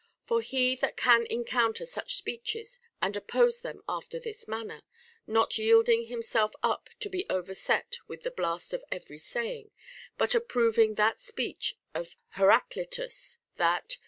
" For he that can encounter such speeches and oppose them after this manner, not yielding himself up to be overset with the blast of every saying, but approving that speech of Heraclitus, that * Hesiod, Works and Days, 744 ; II.